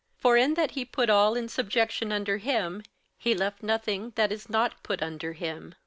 For in that he put all in subjection under him, he left nothing that is not put under him.